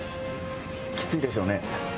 きついでしょうね。